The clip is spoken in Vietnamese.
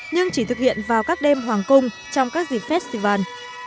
nhưng chỉ thực hiện vào các đêm hoàng cung trong các dịp festival